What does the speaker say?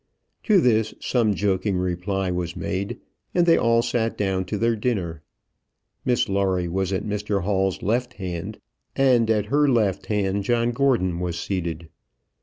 To this some joking reply was made, and they all sat down to their dinner. Miss Lawrie was at Mr Hall's left hand, and at her left hand John Gordon was seated.